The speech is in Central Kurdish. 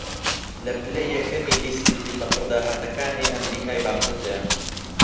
لە پلەی یەکەمی لیستی فیلمە پڕداهاتەکانی ئەمریکای باکووردایە